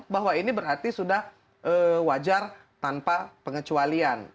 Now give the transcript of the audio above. bahwa ini berarti sudah wajar tanpa pengecualian